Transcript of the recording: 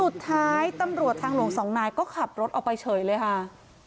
สุดท้ายตำรวจทางหลวงสองนายก็ขับรถออกไปเฉยเลยค่ะ